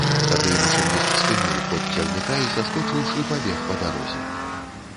Тады машыніст спыніў ход цягніка і, саскочыўшы, пабег па дарозе.